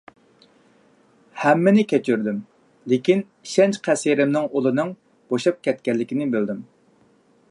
ھەممىنى كەچۈردۈم. لېكىن، ئىشەنچ قەسرىمنىڭ ئۇلىنىڭ بوشاپ كەتكەنلىكىنى بىلدىم.